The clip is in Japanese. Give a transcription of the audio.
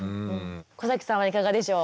小さんはいかがでしょう？